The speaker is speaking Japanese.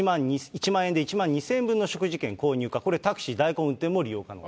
１万円で１万２０００円分の食事券購入、これタクシーの代行運転も利用可能。